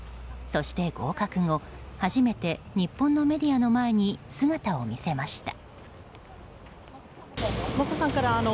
そして合格後初めて日本のメディアの前に姿を見せました。